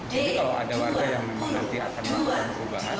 jadi kalau ada warga yang nanti akan melakukan perubahan